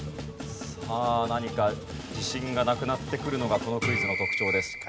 何か自信がなくなってくるのがこのクイズの特徴です。